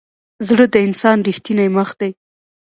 زړه د انسان ریښتینی مخ دی.